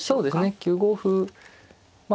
９五歩まあ